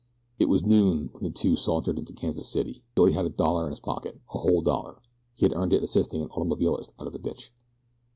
It was noon when the two sauntered into Kansas City. Billy had a dollar in his pocket a whole dollar. He had earned it assisting an automobilist out of a ditch.